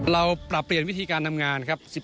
เราปรับเปลี่ยนวิธีการทำงานครับ